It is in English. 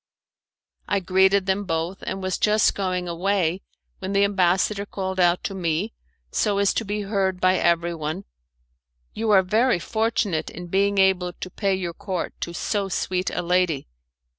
I greeted them both, and was just going away, when the ambassador called out to me, so as to be heard by everyone, 'You are very fortunate in being able to pay your court to so sweet a lady.